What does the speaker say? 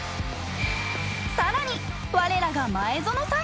更に我らが前園さん！